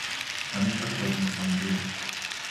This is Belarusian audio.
Нам не патрэбны камандзіры.